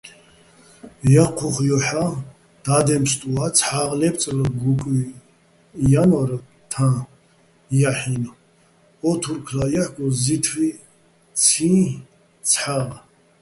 ჲაჴჴუხ ჲოჰ̦ა́ჲ, დადემფსტუა́ჲ ცჰ̦ა́ღ ლაჲბწრალო̆, გუკუჲ ჲანო́რ თაჼ ჲაჰ̦ინო̆ ო თურქლა ჲაჰ̦გო ზითვიციჼ ცჰ̦ა́ღ.